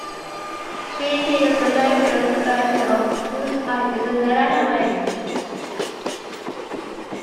She appeared on the American version of Whose Line Is It Anyway?